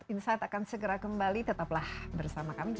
insight akan segera kembali tetaplah bersama kami